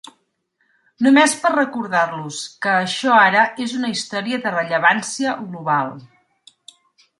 Només per recordar-los que això ara és una història de rellevància global.